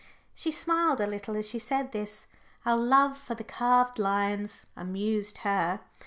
She smiled a little as she said this. Our love for the carved lions amused her.